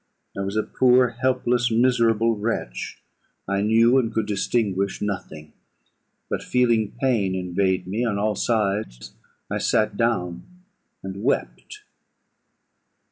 I was a poor, helpless, miserable wretch; I knew, and could distinguish, nothing; but feeling pain invade me on all sides, I sat down and wept.